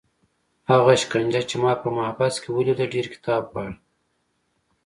هغه شکنجه چې ما په محبس کې ولیده ډېر کتاب غواړي.